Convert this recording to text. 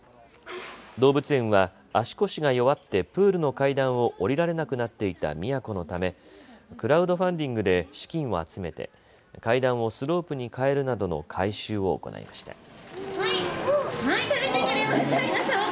動物園は足腰が弱ってプールの階段を下りられなくなっていた宮子のためクラウドファンディングで資金を集めて階段をスロープに替えるなどの改修を行いました。